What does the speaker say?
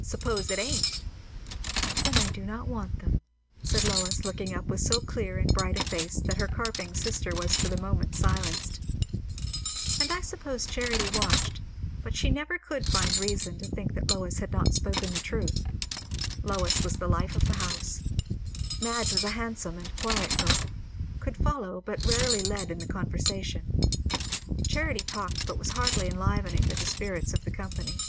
"Suppose it ain't?" "Then I do not want them," said Lois, looking up with so clear and bright a face that her carping sister was for the moment silenced. And I suppose Charity watched; but she never could find reason to think that Lois had not spoken the truth. Lois was the life of the house. Madge was a handsome and quiet girl; could follow but rarely led in the conversation. Charity talked, but was hardly enlivening to the spirits of the company.